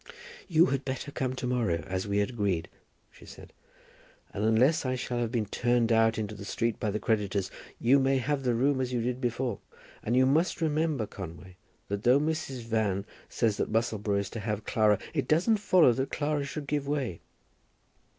"You had better come to morrow, as we had agreed," she said; "and unless I shall have been turned out into the street by the creditors, you may have the room as you did before. And you must remember, Conway, that though Mrs. Van says that Musselboro is to have Clara, it doesn't follow that Clara should give way."